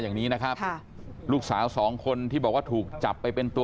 อย่างนี้นะครับค่ะลูกสาวสองคนที่บอกว่าถูกจับไปเป็นตัว